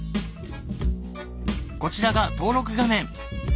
こちらが登録画面。